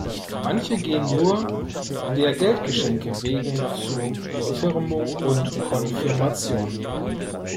Manche gehen nur der Geldgeschenke wegen zu Firmung und Konfirmation.